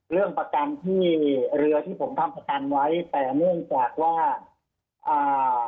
เรื่องประกันที่เรือที่ผมทำประกันไว้แต่เนื่องจากว่าอ่า